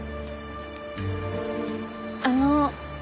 あの。